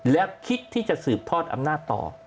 และคิดที่จะสืบทอดอำนาจต่อ